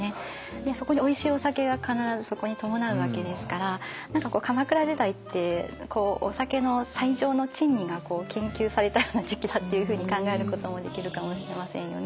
でそこにおいしいお酒が必ずそこに伴うわけですから何か鎌倉時代ってお酒の最上の珍味が研究されたような時期だっていうふうに考えることもできるかもしれませんよね。